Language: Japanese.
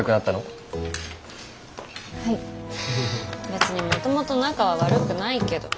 別にもともと仲は悪くないけど。